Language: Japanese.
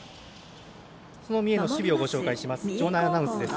その三重の守備をご紹介します。